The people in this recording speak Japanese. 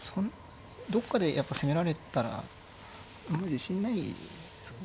どっかでやっぱ攻められたら自信ないですね。